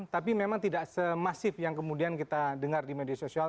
tapi memang tidak semasif yang kemudian kita dengar di media sosial